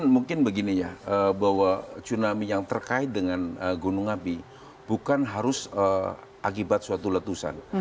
mungkin begini ya bahwa tsunami yang terkait dengan gunung api bukan harus akibat suatu letusan